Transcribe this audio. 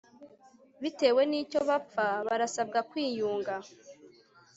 bitewe n'icyo bapfa barasabwa kwiyunga